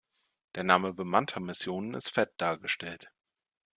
Der Name bemannter Missionen ist fett dargestellt.